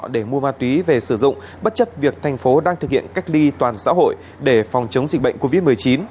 để mua ma túy về sử dụng bất chấp việc thành phố đang thực hiện cách ly toàn xã hội để phòng chống dịch bệnh covid một mươi chín